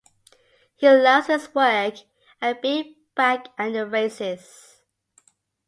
He loves his work and being back at the races.